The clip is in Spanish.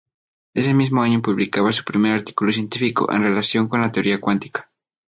Ese mismo año publicaba su primer artículo científico, en relación con la teoría cuántica.